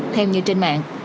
theo như trên mạng